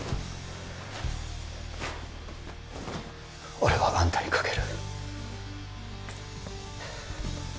俺はあんたにかける